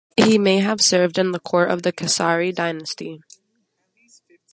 He may have served in the court of the Kesari dynasty.